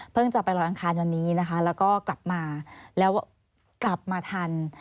จะไปลอยอังคารวันนี้นะคะแล้วก็กลับมาแล้วกลับมาทัน